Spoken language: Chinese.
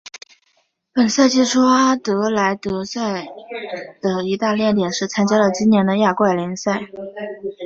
本赛季初阿德莱德联比赛的一大亮点是参加了今年的亚冠联赛。